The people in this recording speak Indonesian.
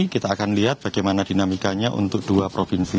kita akan lihat bagaimana dinamikanya untuk dua provinsi